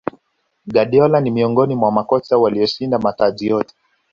guardiola ni miongoni mwa makocha walioshinda mataji yote